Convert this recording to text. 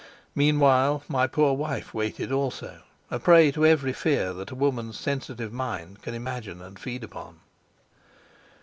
Meanwhile my poor wife waited also, a prey to every fear that a woman's sensitive mind can imagine and feed upon.